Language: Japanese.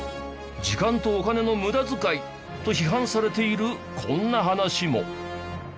時間とお金の無駄遣い！と批判されているこんな話も。